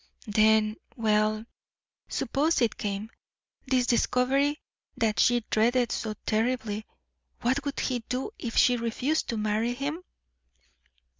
Then well, suppose it came, this discovery that she dreaded so terribly, what would he do if she refused to marry him?